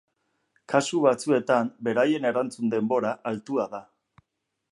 Kasu batzuetan, beraien erantzun denbora altua da.